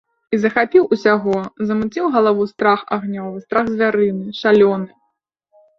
І захапіў усяго, замуціў галаву страх агнёвы, страх звярыны, шалёны.